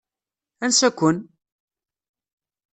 Ansa-ken?